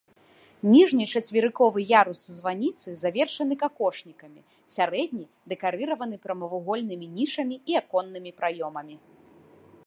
Ніжні чацверыковы ярус званіцы завершаны какошнікамі, сярэдні дэкарыраваны прамавугольнымі нішамі і аконнымі праёмамі.